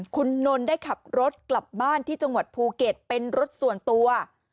คุณนนท์ได้ขับรถกลับบ้านที่จังหวัดภูเก็ตเป็นรถส่วนตัว